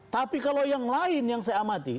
tapi kalau yang lain yang saya amati